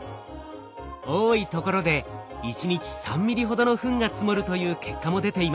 多いところで１日３ミリほどのフンが積もるという結果も出ています。